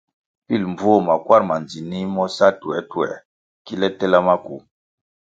Pil mbvuo makwar ma ndzinih mo sa tuertuer ki tela maku.